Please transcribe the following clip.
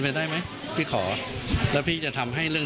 ต้องรอให้เวลานานกว่านี้ก่อนเผื่ออะไรมันจะดีขึ้น